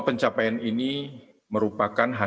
saya memberikan zegari jumlah uang ke